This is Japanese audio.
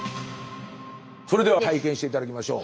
それでは体験して頂きましょう。